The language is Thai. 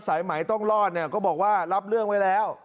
สายไหมต้องรอดเนี่ยก็บอกว่ารับเรื่องไว้แล้ว